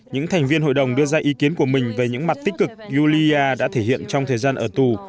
những thành viên hội đồng đưa ra ý kiến của mình về những mặt tích cực ulia đã thể hiện trong thời gian ở tù